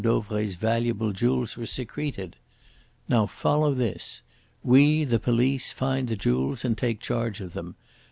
Dauvray's valuable jewels were secreted. Now, follow this. We, the police, find the jewels and take charge of them.